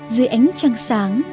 dưới ánh trăng sáng